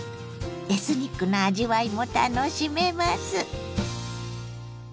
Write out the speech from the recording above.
エスニックな味わいも楽しめます。